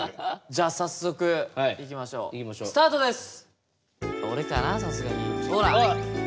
じゃあ早速いきましょうスタートです。